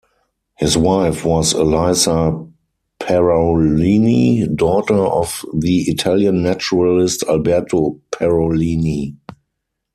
His wife was Elisa Parolini, daughter of the Italian naturalist Alberto Parolini.